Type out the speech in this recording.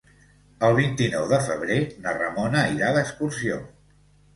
El vint-i-nou de febrer na Ramona irà d'excursió.